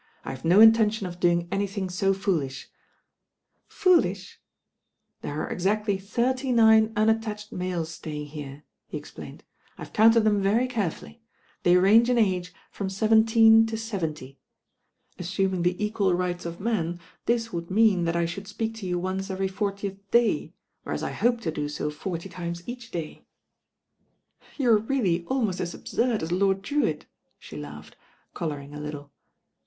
'I have no intention of doing anything so foolish," "Foolish I" "There arc exactly thirty nine unattached males staying here," he explained. "I've counted them very carcfuUy. They range in age from seventeen to seventy. Assuming the equal rights of man, this would mean that I should speak to you once every 7 Ta.™^.™„„^ .„ eS dt "*^'''''*""^'*° to do w forty timei n"^?"„"f "*"5^ *^°»^*» «bw«"d M Lord Llrcwitt, she laughed, colouring a little.